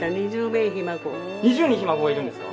２０人ひ孫がいるんですか？